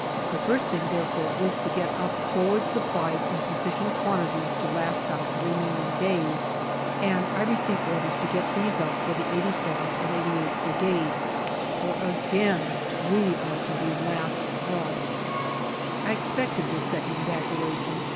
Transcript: The first thing, therefore, is to get up forward supplies in sufficient quantities to last out the remaining days, and I receive orders to get these up for the 87th and 88th Brigades, for again we are to be last off. I expected this second evacuation.